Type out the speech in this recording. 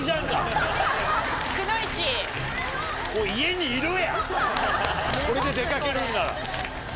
・くノ一・これで出かけるんなら。